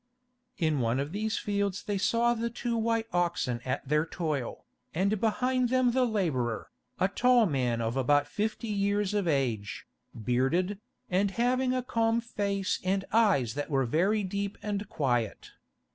In one of these fields they saw the two white oxen at their toil, and behind them the labourer, a tall man of about fifty years of age, bearded, and having a calm face and eyes that were very deep and quiet.